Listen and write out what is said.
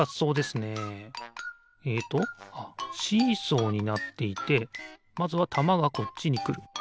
えっとあっシーソーになっていてまずはたまがこっちにくる。